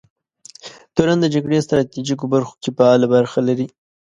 تورن د جګړې ستراتیژیکو برخو کې فعاله برخه لري.